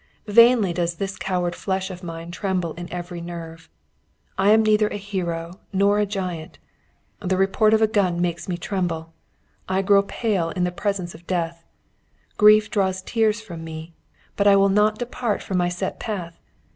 Vainly does this coward flesh of mine tremble in every nerve. I am neither a hero nor a giant. The report of a gun makes me tremble; I grow pale in the presence of death; grief draws tears from me but I will not depart from my set path.